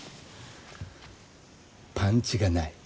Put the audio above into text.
パンチがない。